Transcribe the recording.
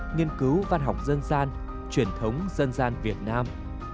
nghiên cứu văn học dân gian truyền thống dân gian việt nam